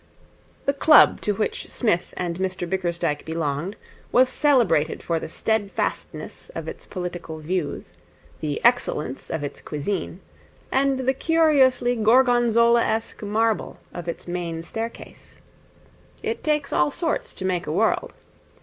The club to which Psmith and Mr Bickersdyke belonged was celebrated for the steadfastness of its political views, the excellence of its cuisine, and the curiously Gorgonzolaesque marble of its main staircase. It takes all sorts to make a world.